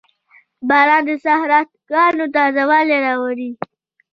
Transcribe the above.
• باران د صحراګانو تازهوالی راولي.